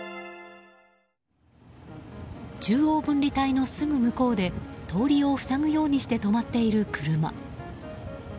中央分離帯のすぐ向こうで通りを塞ぐようにして止まっている車。